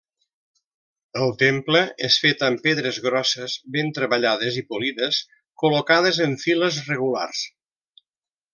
El temple és fet amb pedres grosses, ben treballades i polides, col·locades en files regulars.